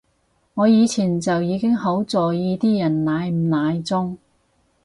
我以前就已經好在意啲人奶唔奶中